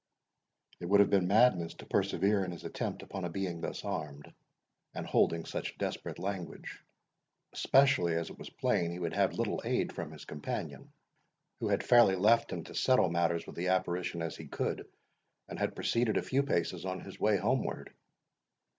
It would have been madness to persevere in his attempt upon a being thus armed, and holding such desperate language, especially as it was plain he would have little aid from his companion, who had fairly left him to settle matters with the apparition as he could, and had proceeded a few paces on his way homeward.